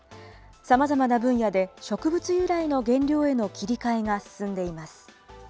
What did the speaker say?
さまざまな分野で植物由来の原料への切り替えが進んでいます。